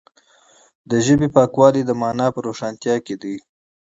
د ژبې پاکوالی د معنا په روښانتیا کې دی.